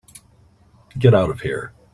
Get out of here.